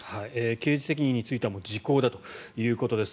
刑事責任については時効だということです。